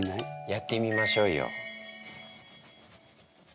やってみましょうよ。